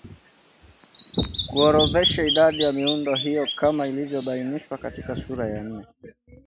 kuorodhesha idadi ya miundo hiyo kama ilivyobainishwa katika sura ya nne